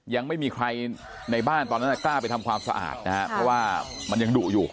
ยังไม่มีใครในบ้านตอนนั้นกล้าไปทำความสะอาดนะฮะเพราะว่ามันยังดุอยู่